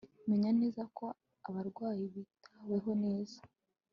Menya neza ko abarwayi bitaweho neza